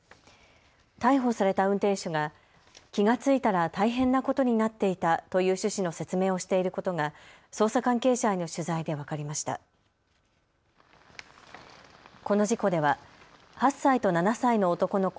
逮捕された運転手が気が付いたら大変なことになっていたという趣旨の説明をしていることが捜査関係者への取材で分かりました。